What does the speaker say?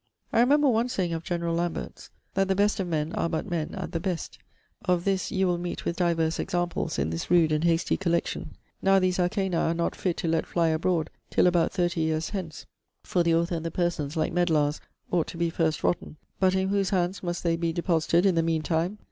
I remember one sayeing of generall Lambert's, that "the best of men are but men at the best": of this, you will meet with divers examples in this rude and hastie collection. Now these arcana are not fitt to lett flie abroad, till about 30 yeares hence; for the author and the persons (like medlars) ought to be first rotten. But in whose hands must they be deposited in the mean time?